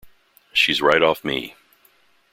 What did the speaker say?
She's right off me.